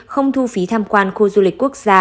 không thu phí tham quan khu du lịch quốc gia